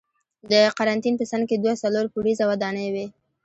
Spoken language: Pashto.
د قرنتین په څنګ کې دوه څلور پوړیزه ودانۍ وې.